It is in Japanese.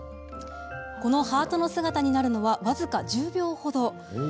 このハートの姿になるのは僅か１０秒ほど。